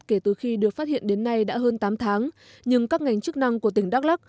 kể từ khi được phát hiện đến nay đã hơn tám tháng nhưng các ngành chức năng của tỉnh đắk lắc